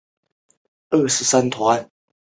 这一年哈尔滨毅腾成功冲上中甲。